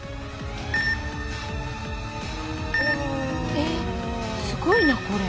えすごいなこれ。